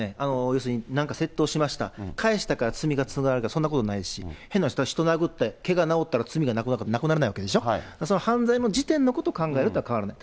要するに窃盗しました、返したから罪が償われるとか、そんなことないですし、変な話、人殴って、けが治った、罪なくなるかって、なくならないでしょ、その犯罪の時点のことを考えると変わらない。